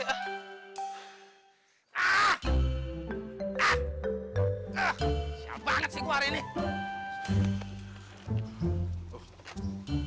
sial banget sih gue hari ini